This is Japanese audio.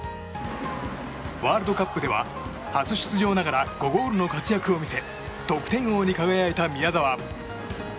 ワールドカップでは初出場ながら５ゴールの活躍を見せ得点王に輝いた宮澤。